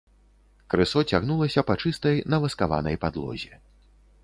Крысо цягнулася па чыстай наваскаванай падлозе.